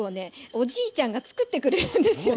おじいちゃんがつくってくれるんですよね。